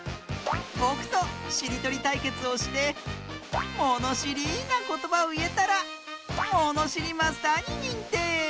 ぼくとしりとりたいけつをしてものしりなことばをいえたらものしりマスターににんてい！